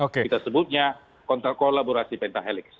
kita sebutnya kontra kolaborasi pentahelix